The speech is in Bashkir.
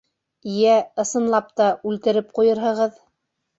Йә, ысынлап та, үлтереп ҡуйырһығыҙ.